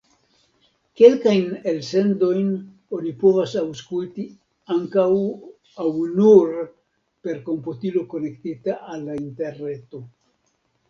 Kelkajn elsendojn oni povas aŭskulti ankaŭ aŭ nur per komputilo konektita al la interreto.